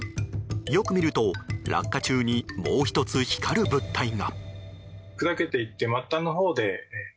よく見ると落下中に、もう１つ光る物体が。